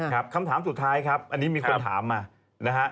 ครับคำถามสุดท้ายครับอันนี้มีคนถามมา